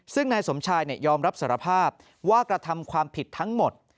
ซึ่งนายสมชายยอมรับสารภาพว่ากระทำความผิดทั้งหมด